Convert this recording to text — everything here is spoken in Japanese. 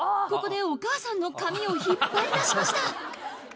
ここでお母さんの髪を引っ張りだしました！